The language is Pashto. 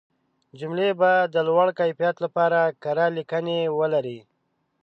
جملې باید د لوړ کیفیت لپاره کره لیکنې ولري.